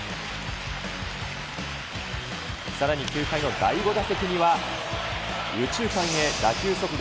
さらに９回の第５打席には、右中間へ打球速度